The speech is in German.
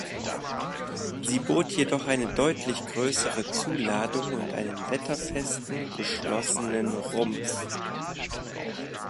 Sie bot jedoch eine deutlich größere Zuladung und einen wetterfesten, geschlossenen Rumpf.